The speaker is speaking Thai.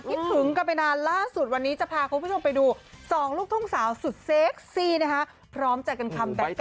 คิดถึงกันไปนานล่าสุดวันนี้จะพาคุณผู้ชมดู๒ลูก